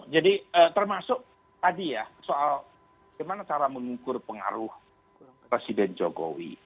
jadi termasuk tadi ya soal gimana cara mengukur pengaruh presiden jokowi